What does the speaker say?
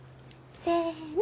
せの！